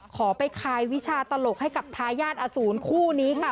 ขอไปคายวิชาตลกให้กับทายาทอสูรคู่นี้ค่ะ